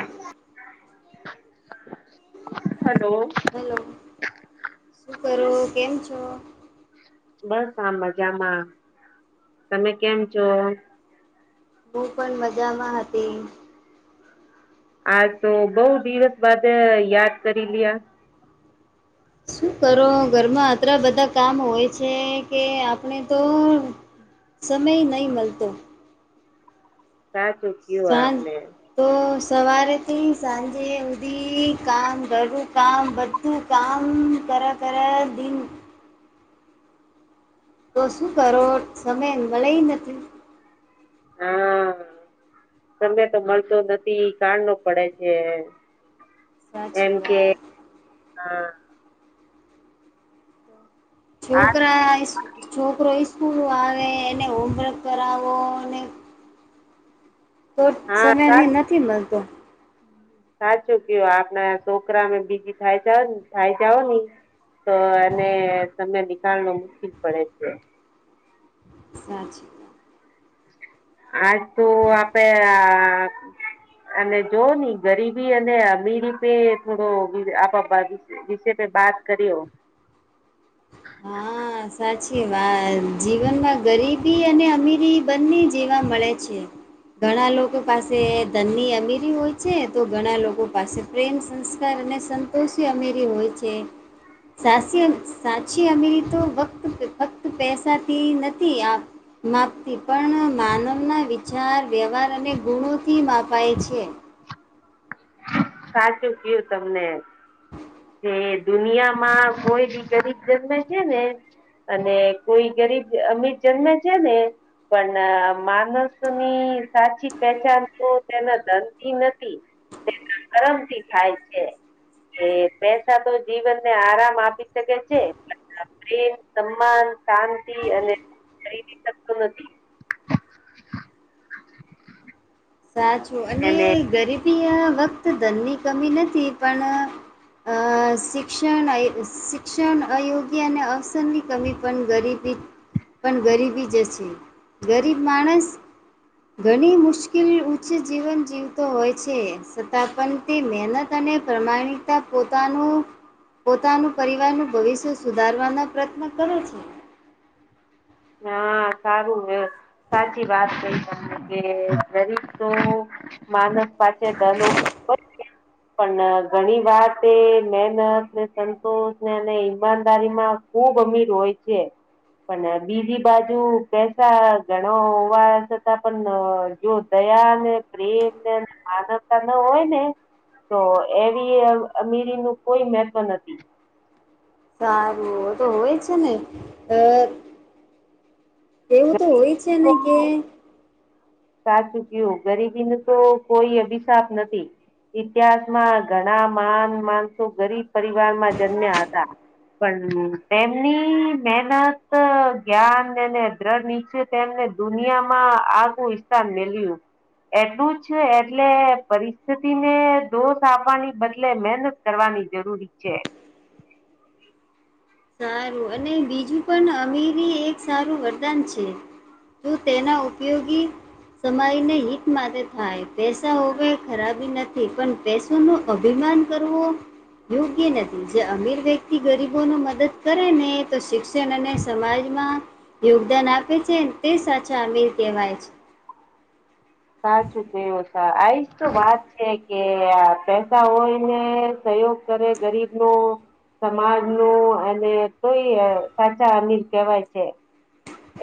[inaudible] [inaudible] Hello hello. શું કરો? કેમ છો? બસ આ મજામાં. તમે કેમ છો? હું પણ મજામાં હતી. આ તો બઉ દિવસ બાદ યાદ કરી લ્યા. શું કરો ઘરમાં આતલા બધા કામ હોય છે કે આપણે તો સમય નહીં મળલતો. સાચું કયું સાંજ આપને. તો સવારેથી સાંજે ઉધી કામ કરું કામ બધું. કામ કરે કરે દિન તો શું કરો સમય મળે નથી હા તમે તો મળતો નથી કાણ નો પડે છે એમ સાચી કે વાત હા આ છોકરા ઇસકુ છોકરો ઇસ્કૂલો આવે એને હોમવર્ક કરાવો અને તો હા સમયની સાચ નથી મળતો સાચું કેયુ આપણા છોકરામે બીજી થાય જા થાય જાઓ ને તો એને સમય નીકાળનો મુશકીલ પડે છે સાચી વાત આજ તો આપે આ અને જોવો ની ગરીબી અને અમીરી પે થોડો આપ વિશે પે બાત કરી્યો હા સાચી વાત જીવનમાં ગરીબી અને અમીરી બંને જેવા મળે છે ઘણા લોકો પાસે ધનની અમીરી હોય છે તો ઘણા લોકો પાસે પ્રેમ સંસ્કાર અને સંતોષી અમેરી હોય છે સાસીયન ખુશી અમીરી તો વક્ત ફક્ત પૈસાથી નથી આવ માપતી પણ માનવના વિચાર વ્યવહાર અને ગુણોથી માપાય છે સાચું કયું તમને કે દુનિયામાં કોઈ બી ગરીબ જન્મ છે ને અને કોઈ ગરીબ અમીર જન્મે છે ને પણ માનસની સાચી પહેચાન તો તેને ધનતી નથી તેના કર્મ થી થાય છે એ પૈસા તો જીવન ને આરામ આપી શકે છે પ્રેમ સન્માન શાંતિ અને ખરીદી શકતો નથી સાચું અને એને ગરીબી વખત ધનની કમી નથી પણ અ શિક્ષણ શિક્ષણ અયોગ્ય અને અસંગ કમી પણ ગરીબી પણ ગરીબી જશે ગરીબ માણસ ઘણી મુશ્કેલી ઉચ્ચ જીવન જીવતો હોય છે છતાં પણ તે મહેનત અને પ્રમાણિક તા પોતાનું પોતાનું પરિવારનું ભવિષ્ય સુધારવાના પ્રયત્ન કરે છે હા સારું સાચી વાત કઈ તને કે ગરીબ તો માનસ પાછ ધનો [unintelligible] પણ ઘણી વાત એ મહેનત ને સંતોષ ને અને ઈમાનદારીમાં ખુબ અમીર હોય છે પણ બીજી બાજુ પૈસા ઘણો હોવા છતાં પણ જો દયા ને પ્રેમ ને માનવતા ન હોય ને તો એવી અમીરી નું કોઈ મેહત્વ નથી સારું એ તો હોય છે ને અ એવું તો હોય છે ગરીબી ને તો કે સાચું કયું ગરીબી નુ તો કોઈ અભિશાપ નથી ઇતિહાસમાં ઘણા માન માનસો ગરીબ પરિવારમાં જન્મ્યા હતા પણ તેમની મહેનત જ્ઞાન અને દ્રડ નીચે તેમને દુનિયામાં આગું ઇસ્થાન મેલ્યું એટલું જ એટલે પરિસ્થિતિ ને દોષ આપવાની બદલે મહેનત કરવાની જરૂરી છે સારું અને બીજું પણ અમીરી એક સારું વરદાન છે શું તેના ઉપયોગી સમયને હિત માટે થાય પૈસા હોવે ખરાબી નથી પણ પૈસોનો અભિમાન કરવો યોગ્ય નથી જે અમીર વ્યક્તિ ગરીબોનો મદદ કરે ને તો શિક્ષણ અને સમાજમાં યોગદાન આપે છેને તે સાચા અમીર કહેવાય છે સાચું કેહો સા આઈશ તો વાત છે કે આ પેસા હોય ને સયોગ કરે ગરીબ નો સમાજ નું અનેને તોય સાચા અમીર કેવાય છે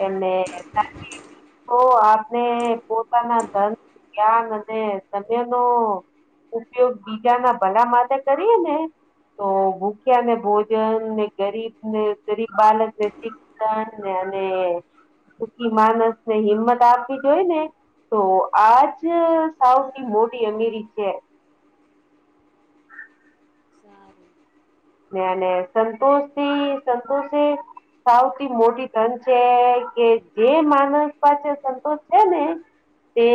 એને સા તો આપણે પોતાના ધન જ્ઞાન અને સમયનો ઉપયોગ બીજાના ભલા માટે કરીએ ને તો ભૂખ્યા ને ભોજન ને ગરીબ ને ગરીબ બાળક ને શીખ દુખી માનસ ને હિંમત આપવી જોઈ ને તો આજ સાઉડ ની મોટી અમીરી છે સારું સંતોષ થી સંતોષી સૌથી મોટી ધન છે કે જે માનસ પાસે સંતોષ છે ને તે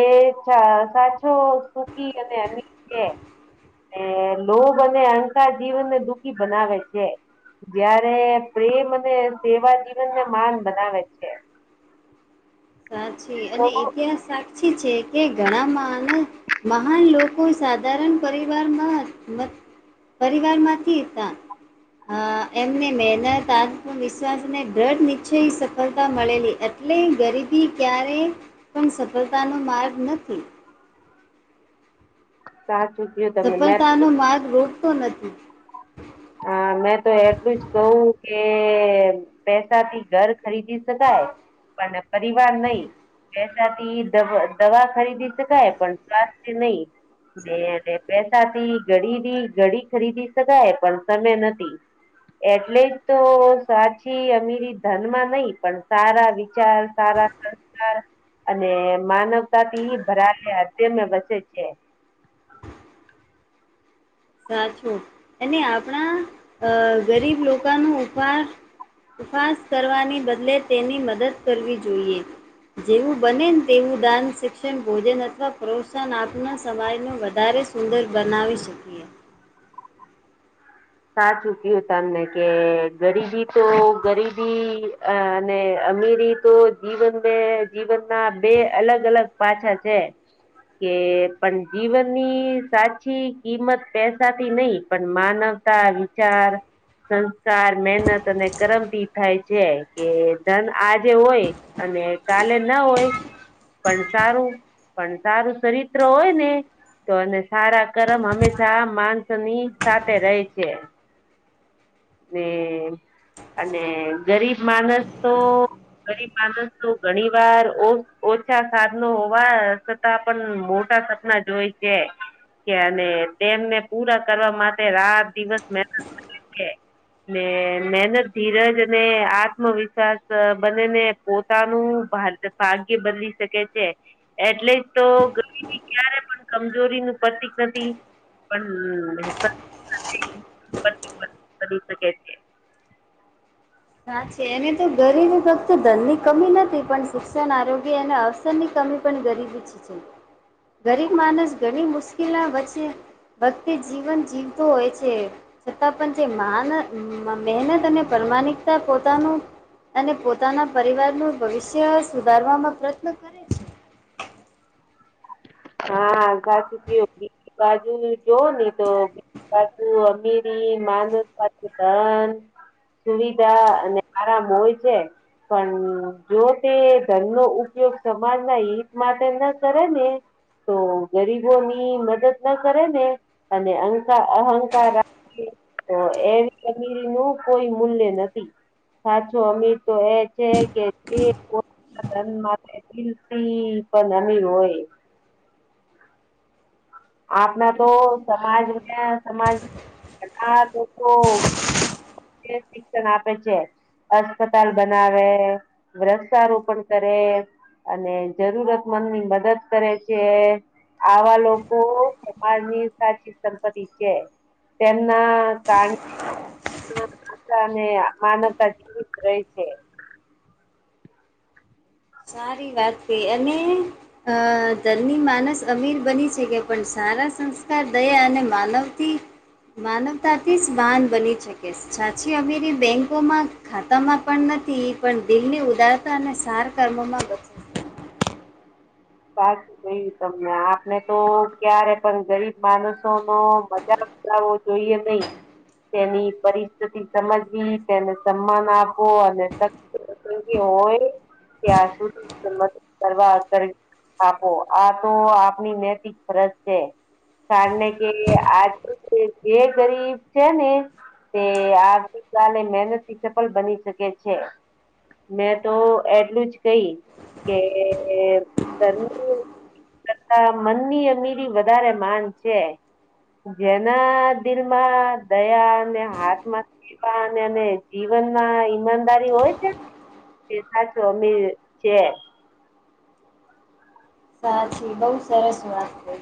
સાચો સુખી અને [unintelligible] એ લોભ અને અંકાર જીવનને દુઃખી બનાવે છે જયારે પ્રેમ અને સેવા જીવન ને માન બનાવે છે સાચી તો અને ઈતિહાસ સાક્ષી છે કે ઘણામાંને મહાન લોકો સાધારણ પરિવારમાં પરિવારમાં થી તા હા એમને મહેનત આત્મવિશ્વાસને દૃઢ નિશ્ચય સફળતા મળેલી એટલે ગરીબી ક્યારેય પણ સફળતાનો માર્ગ નથી સાચું કીધું સફળતા નો માર્ગ રોકતો નથી હા મેં તો એટલું જ કહું કે પેસા થી ઘર ખરીદી શકાય પણ પરિવાર નહી એ દ દવા ખરીદી તો કાય પણ સ્વાસ્થ્ય નહી બ એ પેસાથી ઘડીની ઘડી ખરીદી શકાય પણ તમે સમય એટલે જ તો સાચી અમીરી ધનમાં નહી પણ સારા વિચાર સારા સંસ્કાર અને માનવતાથી ભરાયા તેમને વસે છે સાચું અને આપણા અ ગરીબ લોકો ન ઉપાર ઉપહાશ કરવાની બદલે તેની મદદ કરવી જોઈએ જેવું બને ને તેવું દાન શિક્ષણ ભોજન અથવા પ્રોત્સાહન આપનાર સમાજનું વધારે સુંદર બનાવી શકીએ સાચૂ ક્યું તમને કે ગરીબી તો ગરીબી અને અમીરી તો જીવનને જીવનના બે અલગ અલગ પાછા છે કે પણ જીવનની સાચી કિંમત પૈસાથી નહી પણ માનવ તા વિચાર સંસ્કાર મહેનત અને કરમથી થાય છે કે ધન આજે હોય અને કાલે ના હોય પણ સારું પણ સારું ચરિત્ર હોય ને તો અને સારા કર્મ હંમેશા માણસોની સાથે રહે છે ને અને ગરીબ માણસ તો ગરીબ માણસ તો ઘણી વાર ઓછા સાધનો હોવા પણ મોટા સપના જોય છે છે અને તેમને પૂરા કરવા માટે રાત દિવસ મહેનત કરે છે ને મહેનત ધીરજ અને આત્મવિશ્વાસ બને ને પોતાનું ભાર ભાગ્ય બદલી શકે છે એટલે જ તો ગરીબી ક્યારે પણ કમજોરી નું પ્રતિક નથી પણ [inaudible] શકેટ છે ના છે એને તો ગરીબી ફક્ત ધનની કમી નથી પણ શિક્ષણ આરોગ્ય અનેને ની કમી પણ ગરીબી છે ગરીબ માણસ ઘણી મુશ્કેલા વચ્ચે ભક્તિ જીવન જીવતોું હોય છે છતાં પણ જે મહેનત અને પ્રમાણિક પોતાનું અને પોતાના પરિવારનું ભવિષ્ય સુધારવામાં પ્રયત્ન કરે છે. હા કાજું ક બાજુ જોવ ને તો બાટું અમીરી માનસ પાકિસ્તાન સુવિધા અને આરામ હોય છે પણ જો તે ધન નો ઉપયોગ સમાજ ના હિત માટે ન કરે ને તો ગરીબો ની મદદ ના કરે ને અને અંકાર અહંકાર તો એવી કમરી નું કોઈ મૂલ્ય નથી સાચો અમી તો એ છે કે ઉપાદન માટે પણ અમી હોય આપના તો સાચી વાત સમાજ કહી. સમાજ સરકાર તો તો શિક્ષણ આપે છે અસ્પતાલ બનાવે વૃક્ષારોપણ કરે અને જરૂરત મંદ ની મદદ કરે છે આવા લોકો ખબ માની સાચ સંપતિ ઈચ્છ તેમના ત માનતા અને માનવતા જેવી જ રહે છે સારી વાત છે અને અ ધરની માનસ અમીર બની શકે પણ સારા સંસ્કાર દયા અને માનવથી માનવતાથી ભાન બની શકે સાચી અરી બેંકો માં ખાતામાં પણ નથી પણ દિલની ઉદારતા અને સાર કર્મોમાં બ સાચું કયું તમને આપણે તો ક્યારે પણ ગરીબ માણસો નો મજાક આવો જોઈએ નહી તેની પરિસ્થિતિ સમજવી તેને સન્માન આપવો અને હોય ત્યાં સુધીમત કરવાગ આપો આ તો આપણી નૈતિક ફરજ છે કારણ ને કે આજ જે ગરીબ છે ને તે આર્થિક મહેનત થી સફળ બની શકે છે મેં તો એટલું જ કહી કે કરતા મનની અમીરી વધારે માન છે જેના દિલમાં દયા ને હાથમાં અને જીવનમાં ઈમાનદારી હોય છે સાચો અમી છે સાચી બહુ સરસ વાત છે